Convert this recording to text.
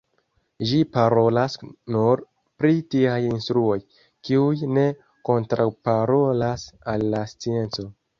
Ĝi parolas nur pri tiaj instruoj, kiuj ne kontraŭparolas al la scienco.